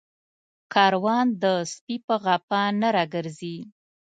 کاروان د سپي په غپا نه راگرځي